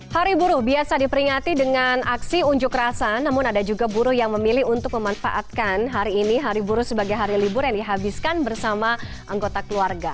hari buruh biasa diperingati dengan aksi unjuk rasa namun ada juga buruh yang memilih untuk memanfaatkan hari ini hari buruh sebagai hari libur yang dihabiskan bersama anggota keluarga